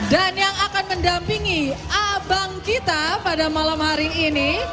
dan yang akan mendampingi abang kita pada malam hari ini